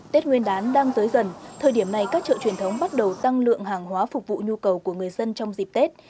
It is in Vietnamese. tết nguyên đán đang tới dần thời điểm này các chợ truyền thống bắt đầu tăng lượng hàng hóa phục vụ nhu cầu của người dân trong dịp tết